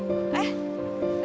kamu pasti dapat bohongan